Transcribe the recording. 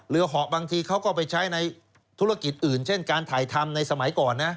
เหาะบางทีเขาก็ไปใช้ในธุรกิจอื่นเช่นการถ่ายทำในสมัยก่อนนะ